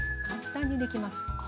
簡単にできます。